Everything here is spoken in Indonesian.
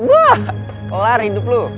wah kelar hidup lo